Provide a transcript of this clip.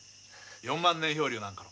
「四万年漂流」なんかの。